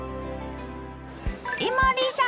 伊守さん！